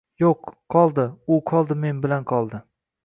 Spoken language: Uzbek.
Yo’q, qoldi… u qoldi men bilan qoldi…